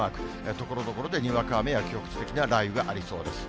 ところどころでにわか雨や局地的な雷雨がありそうです。